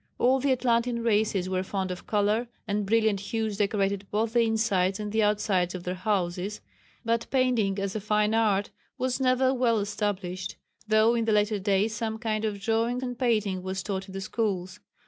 All the Atlantean races were fond of colour, and brilliant hues decorated both the insides and the outsides of their houses, but painting as a fine art was never well established, though in the later days some kind of drawing and painting was taught in the schools.